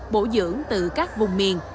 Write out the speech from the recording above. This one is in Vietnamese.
bổ dưỡng từ các vùng miền